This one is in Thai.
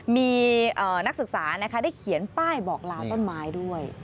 มีนักศึกษานะคะได้เขียนป้ายบอกลาต้นไม้ด้วย